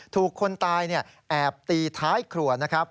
ถูกคนตายแอบตีท้ายครั้ว